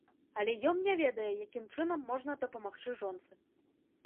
Але ён не ведае, якім чынам можна дапамагчы жонцы.